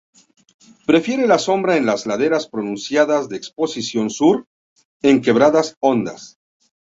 Prefiere la sombra en las laderas pronunciadas de exposición sur, en quebradas hondas.